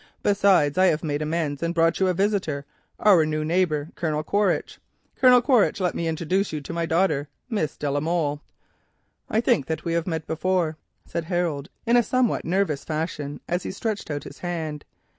Besides, I have made amends and brought you a visitor, our new neighbour, Colonel Quaritch. Colonel Quaritch, let me introduce you to my daughter, Miss de la Molle." "I think that we have met before," said Harold, in a somewhat nervous fashion, as he stretched out his hand.